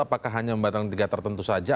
apakah hanya membatang tiga tertentu saja